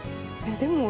でも。